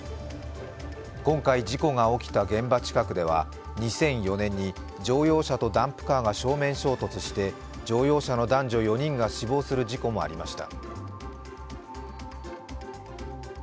今回、事故が起きた現場近くでは２００４年に乗用車とダンプカーが正面衝突して乗用車の男女４人が死亡する事故もありました。